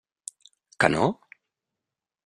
Que no?